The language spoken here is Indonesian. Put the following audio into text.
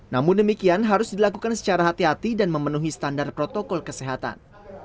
namun demikian harus dilakukan secara hati hati dan memenuhi standar protokol kesehatan